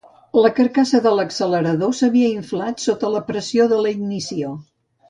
La carcassa de l'accelerador s'havia inflat sota la pressió de la ignició.